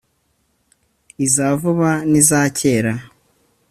iza vuba n’iza kera;